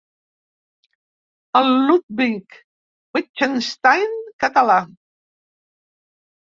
El Ludwig Wittgenstein català!